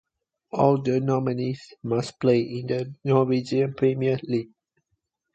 All the nominees must play in the Norwegian Premier League.